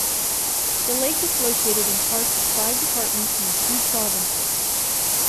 The lake is located in parts of five departments in the two provinces.